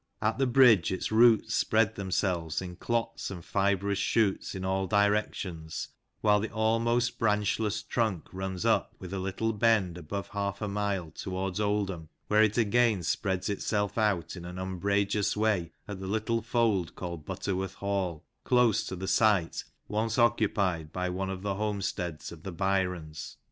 At the bridge, its roots spread themselves in clots and fibrous shoots in all directions, while the almost branchless trunk runs up, with a little bend, above half a mile, towards Oldham, where it again spreads itself out in an umbrageous way at the little fold called Butterworth Hall," close to " the site once oc cupied by one of the homesteads of the Byrons."